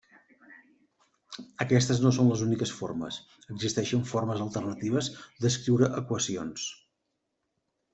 Aquestes no són les úniques formes: existeixen formes alternatives d'escriure equacions.